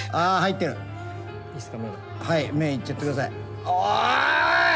はい目いっちゃってください。